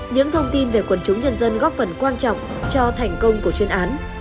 những thông tin về quần chúng nhân dân góp phần quan trọng cho thành công của chuyên án